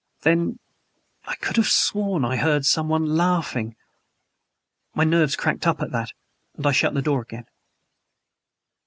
Then I could have sworn I heard SOMEONE LAUGHING! My nerves cracked up at that; and I shut the door again."